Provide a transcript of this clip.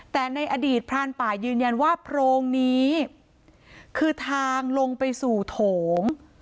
แต่ในอดีตพรานป่ายืนยันว่าโพรงนี้คือทางลงไปสู่โถง